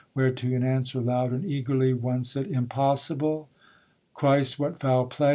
Whereto in answer loud and eagerly, One said: Impossible? Christ, what foul play!